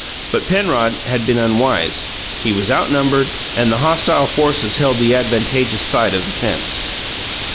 But Penrod had been unwise; he was outnumbered, and the hostile forces held the advantageous side of the fence.